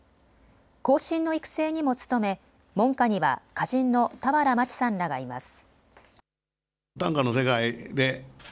後進の育成にも努め門下には歌人の俵万智さんらがいます。